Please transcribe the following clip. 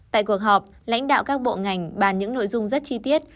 tại cuộc họp lãnh đạo các bộ ngành bàn những nội dung rất chi tiết